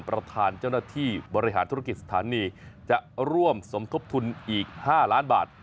ประธานเจ้าหน้าที่บริหารธุรกิจสถานีจะร่วมสมทบทุนอีก๕ล้านบาท